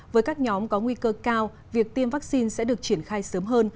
với các nhóm có nguy cơ cao việc tiêm vaccine sẽ được triển khai sớm hơn